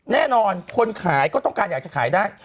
แน่นอนคนขายก็ต้องการอยากจะขายได้